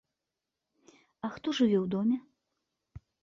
А хто жыве ў доме?